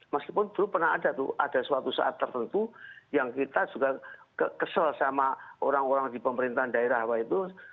meskipun dulu pernah ada tuh ada suatu saat tertentu yang kita juga kesel sama orang orang di pemerintahan daerah apa itu